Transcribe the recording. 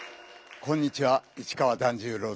こんにちは市川團十郎です。